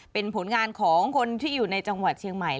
เป็นผลงานของคนที่อยู่ในจังหวัดเชียงใหม่